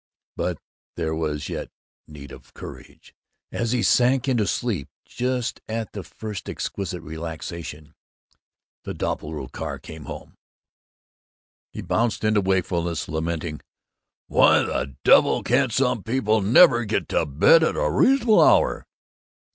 But there was yet need of courage. As he sank into sleep, just at the first exquisite relaxation, the Doppelbrau car came home. He bounced into wakefulness, lamenting, "Why the devil can't some people never get to bed at a reasonable hour?"